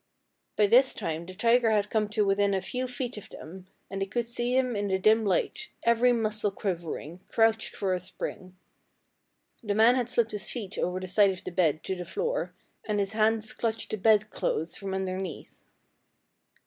"By this time the tiger had come to within a few feet of them, and they could see him in the dim light, every muscle quivering, crouched for a spring. The man had slipped his feet over the side of the bed to the floor, and his hands clutched the bedclothes from underneath.